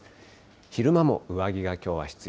昼間も上着がきょうは必要。